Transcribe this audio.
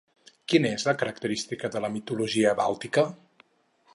Quina és la característica de la mitologia bàltica?